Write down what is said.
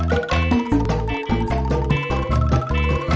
hphalfa perrep yang lebih buruk